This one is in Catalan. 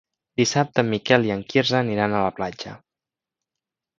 Dissabte en Miquel i en Quirze aniran a la platja.